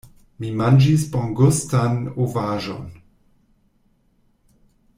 Mi manĝis bongustan ovaĵon.